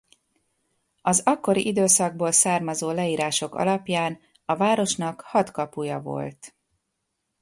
Az akkori időszakból származó leírások alapján a városnak hat kapuja volt.